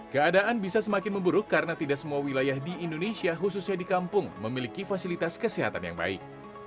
keadaan bisa semakin memburuk karena tidak semua wilayah di indonesia khususnya di kampung memiliki fasilitas kesehatan yang baik